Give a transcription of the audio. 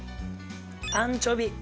アンチョビ。